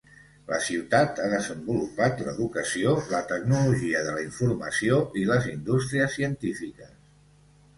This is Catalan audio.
La ciutat ha desenvolupat l'educació, la tecnologia de la informació i les indústries científiques.